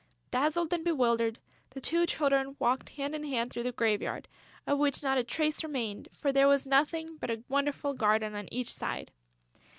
Dazzled and bewildered, the two children walked hand in hand through the graveyard, of which not a trace remained, for there was nothing but a wonderful garden on every side.